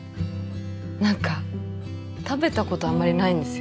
何か食べたことあんまりないんですよ。